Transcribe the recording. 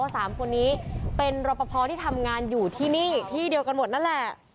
สามคนนี้เป็นรปภที่ทำงานอยู่ที่นี่ที่เดียวกันหมดนั่นแหละ